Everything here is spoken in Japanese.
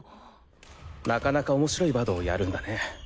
なかなか面白いバドをやるんだね？